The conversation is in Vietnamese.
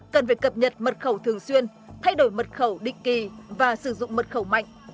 cần phải cập nhật mật khẩu thường xuyên thay đổi mật khẩu định kỳ và sử dụng mật khẩu mạnh